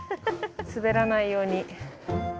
滑らないように。